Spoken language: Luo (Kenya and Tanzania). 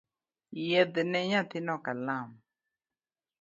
Yiedhne nyathino kalam